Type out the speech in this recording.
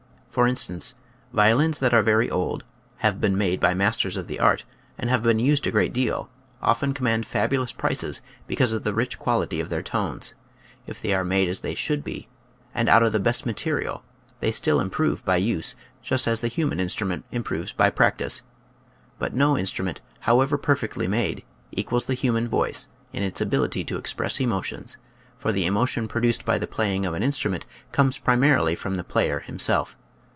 For instance, violins that are very old, have been made by masters of the art, and have been used a great deal, often com mand fabulous prices because of the rich quality of their tones. If they are made aa (~~|, Original from :{<~ UNIVERSITY OF WISCONSIN ItSMic and Ausfciana. 93 they should be and out of the best material they still improve by use, just as the human instrument improves by practice. But no in strument, however perfectly made, equals the human voice in its ability to express emotions, for the emotion produced by the playing of an instrument comes primarily from the player himself.